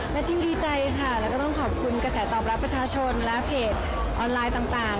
แล้วก็ต้องขอบคุณกระแสตอบรับประชาชนและเพจออนไลน์ต่าง